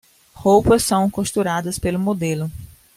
Roupas são costuradas pelo modelo